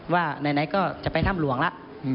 ว่าไหนก็จะไปถ้ำหลวงแล้ว